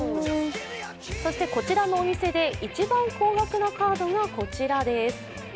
そして、こちらのお店で一番高額なカードがこちらです。